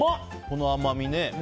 この甘み。